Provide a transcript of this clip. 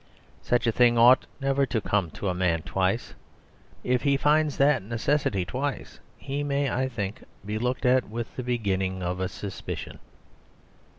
Such a thing ought never to come to a man twice. If he finds that necessity twice, he may, I think, be looked at with the beginning of a suspicion.